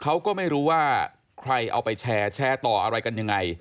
เขาก็ไม่รู้ว่าใครเอาไปแชร์แชร์ต่ออะไรกันยังไง